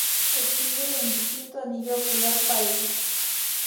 Exhibe indistinto anillo ocular pálido.